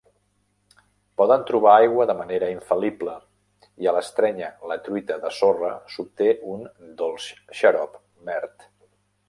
Poden trobar aigua de manera infal·lible, i a l'estrènyer la truita de sorra s'obté un "dolç xarop verd".